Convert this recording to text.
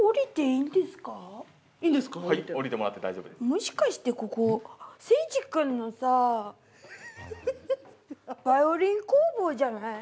もしかしてここ聖司君のさバイオリン工房じゃない？